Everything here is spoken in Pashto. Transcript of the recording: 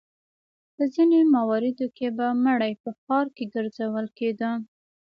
په ځینو مواردو کې به مړی په ښار کې ګرځول کېده.